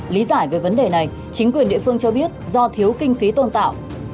lý giải về vấn đề này chính quyền địa phương cho biết do thiếu kinh phí tôn tạo